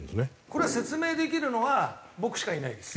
これは説明できるのは僕しかいないです。